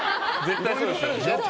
絶対そうでしょ。